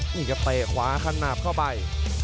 นี่ก็เตะขวาขั้นหน้าเข้าไป